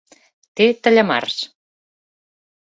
Té tallamars.